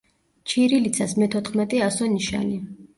ჩირილიცას მეთოთხმეტე ასო-ნიშანი.